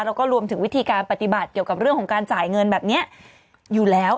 แล้วก็รวมถึงวิธีการปฏิบัติเกี่ยวกับเรื่องของการจ่ายเงินแบบนี้อยู่แล้ว